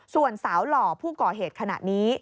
ส่วนสาวหล่อผู้ก่อเหตุขณะนี้